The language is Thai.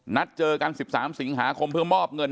นัดเจอกัน๑๓สิงหาคมเพื่อมอบเงิน